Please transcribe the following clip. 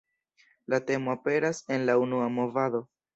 La temo aperas en la unua movado.